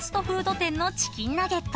店のチキンナゲット